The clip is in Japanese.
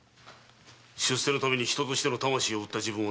出世のために人としての魂を売った自分をな。